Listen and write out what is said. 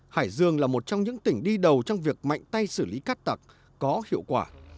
hải dương là một trong những tỉnh đi đầu trong việc mạnh tay xử lý cát tặc có hiệu quả